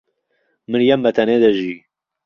مریەم بەتەنێ دەژی.